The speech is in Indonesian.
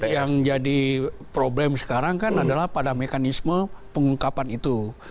yang jadi problem sekarang kan adalah pada mekanisme pengungkapan itu